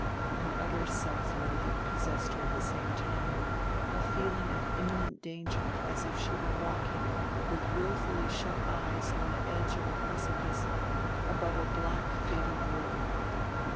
An utter self loathing possessed her at the same time, a feeling of imminent danger as if she were walking with willfully shut eyes on the edge of a precipice above a black fatal void.